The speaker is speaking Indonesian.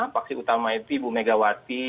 faksi utama itu ibu megawati